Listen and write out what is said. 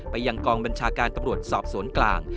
ยังกองบัญชาการตำรวจสอบสวนกลาง